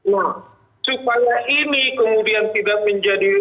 nah supaya ini kemudian tidak menjadi